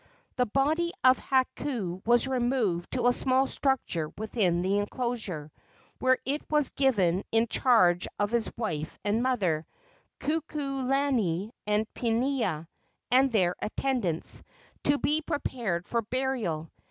The body of Hakau was removed to a small structure within the enclosure, where it was given in charge of his wife and mother, Kukukalani and Pinea, and their attendants, to be prepared for burial.